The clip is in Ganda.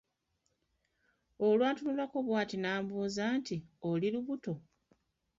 Olwantunulako bw'ati n'ambuuza nti, "oli lubuto?"